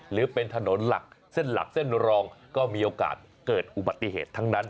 หรือเป็นถนนหลักเส้นหลักเส้นรองก็มีโอกาสเกิดอุบัติเหตุทั้งนั้น